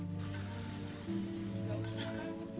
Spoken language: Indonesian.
gak usah kak